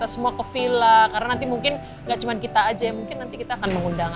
semua ke villa karena nanti mungkin gak cuma kita aja ya mungkin nanti kita akan mengundang